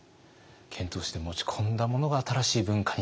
遣唐使で持ち込んだものが新しい文化になり。